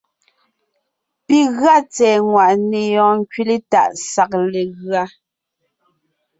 Pi gʉa tsɛ̀ɛ ŋwàʼne yɔɔn ńkẅile tàʼ sag legʉa.